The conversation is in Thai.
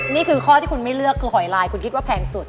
นี่คือข้อที่คุณไม่เลือกคือหอยลายคุณคิดว่าแพงสุด